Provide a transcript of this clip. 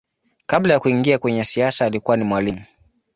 Kabla ya kuingia kwenye siasa alikuwa ni mwalimu.